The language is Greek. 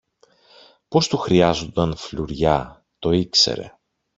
Πως του χρειάζουνταν φλουριά, το ήξερε.